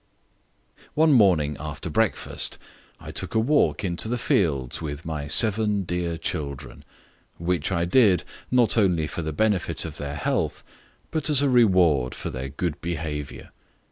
One morning after breakfast I took a walk into the fields with my seven dear children; which I did, not only for the benefit of their health, but as a reward for their good behaviour.